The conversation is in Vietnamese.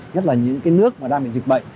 nhất là những cái nước mà đang bị dịch bệnh